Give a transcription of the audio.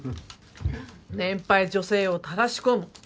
年配女性をたらしこむ。